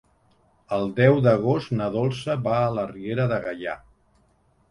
El deu d'agost na Dolça va a la Riera de Gaià.